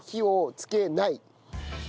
つけない。